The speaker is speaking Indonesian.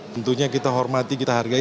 tentunya kita hormati kita hargai